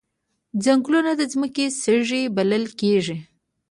ځنګلونه د ځمکې سږي بلل کیږي